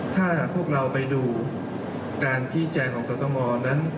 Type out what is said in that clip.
ถ้าพวกเราไปดูการชี้แจงของสตงนั้น